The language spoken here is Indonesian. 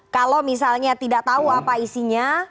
kalau misalnya tidak tahu apa isinya